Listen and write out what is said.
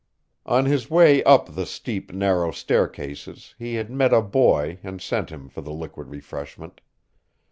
On his way up the steep, narrow staircases he had met a boy and sent him for the liquid refreshment.